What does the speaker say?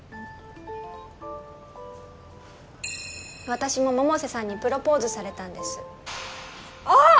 私も百瀬さんにプロポーズされたんですあっ！